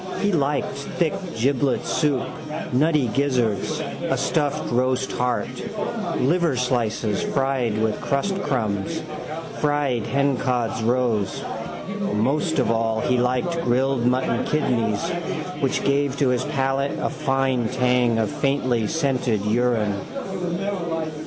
He liked thick giblet soup, nutty gizzards, a stuffed roast heart, liverslices fried with crustcrumbs, fried hencods' roes. Most of all he liked grilled mutton kidneys which gave to his palate a fine tang of faintly scented urine.